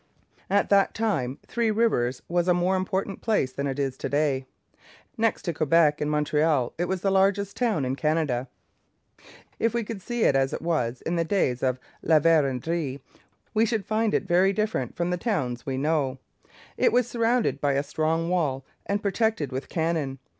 At that time Three Rivers was a more important place than it is to day. Next to Quebec and Montreal, it was the largest town in Canada. If we could see it as it was in the days of La Vérendrye, we should find it very different from the towns we know. It was surrounded by a strong wall and protected with cannon.